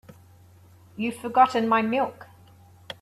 You've forgotten my milk.